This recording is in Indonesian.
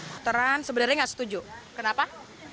putaran sebenarnya tidak setuju kenapa